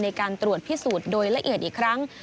ในการตรวจพิสูจน์โดยละเอียดอีกครั้ง